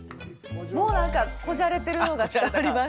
もうなんか、こじゃれてるのが分かります。